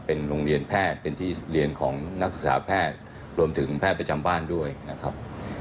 เป็นโรงเรียนแพทย์เป็นที่เรียนของนักศึกษาแพทย์รวมถึงแพทย์ประจำบ้านด้วยนะครับ